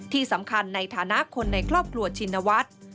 ที่สำคัญในฐานะคนในครอบครัวชินวัฒน์